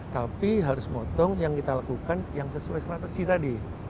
tapi harus motong yang kita lakukan yang sesuai strategi tadi